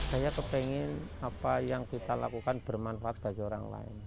hanya kepengen apa yang kita lakukan bermanfaat bagi orang lain